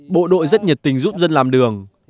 bộ đội rất nhiệt tình giúp dân làm đường